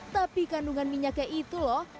tapi kandungan minyaknya itu loh